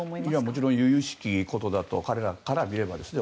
もちろん由々しきことだと彼らから見ればですね。